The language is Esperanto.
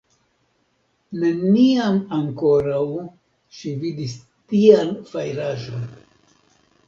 Neniam ankoraŭ ŝi vidis tian fajraĵon.